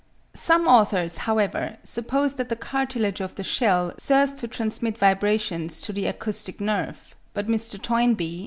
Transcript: Some authors, however, suppose that the cartilage of the shell serves to transmit vibrations to the acoustic nerve; but Mr. Toynbee (29.